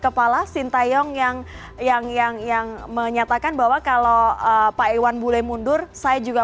kepala sintayong yang yang menyatakan bahwa kalau pak iwan bule mundur saya juga